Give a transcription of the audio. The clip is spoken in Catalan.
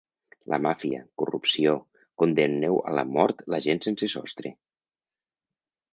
La màfia, corrupció, condemneu a la mort la gent sense sostre.